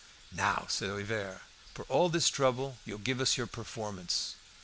"Now," said Hivert, "for all this trouble you'll give us your performance."